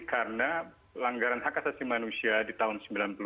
karena langgaran hak asasi manusia di tahun seribu sembilan ratus sembilan puluh delapan